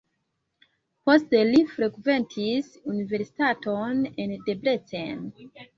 Poste li frekventis universitaton en Debrecen.